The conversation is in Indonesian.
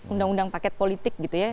undang undang paket politik gitu ya